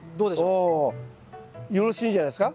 およろしいんじゃないですか？